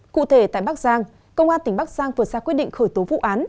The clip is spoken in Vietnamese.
cụ thể tại bắc giang công an tỉnh bắc giang vừa ra quyết định khởi tố vụ án